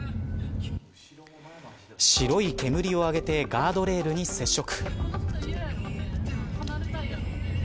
白い煙を上げてガードレールに接触。